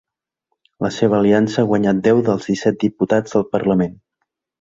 La seva aliança ha guanyat deu dels disset diputats del parlament.